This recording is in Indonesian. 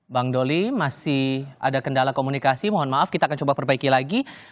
bang doli masih ada kendala komunikasi mohon maaf kita akan coba perbaiki lagi